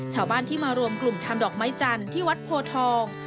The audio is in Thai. ชาวบ้านที่มารวมกลุ่มทำดอกไม้จันทร์ที่วัดโพทอง